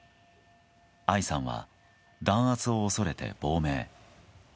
アイさんは弾圧を恐れて亡命。